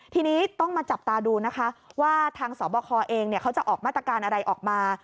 ทีนี้ต้องมาจับตาดูนะคะว่าทางสบคเองเขาจะออกมาตรการอะไรออกมา